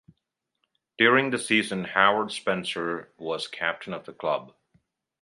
During the season Howard Spencer was captain of the club.